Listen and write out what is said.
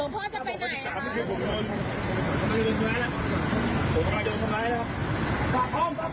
ผมข้อมูลไหนครับ